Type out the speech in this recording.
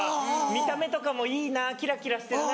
見た目とかもいいなキラキラしてるな。